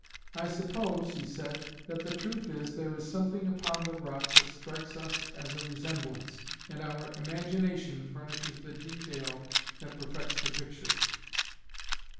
"I suppose," he said, "that the truth is there is something upon the rock that strikes us as a resemblance, and our imagination furnishes the detail that perfects the picture."